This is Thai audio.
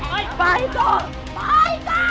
ปล่อยปล่อยตัวปล่อยตัว